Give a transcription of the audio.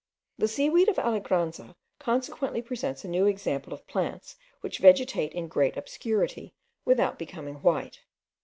The seaweed of Alegranza consequently presents a new example of plants which vegetate in great obscurity without becoming white.